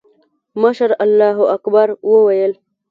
مشر الله اکبر وويل.